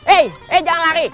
eh eh jangan lari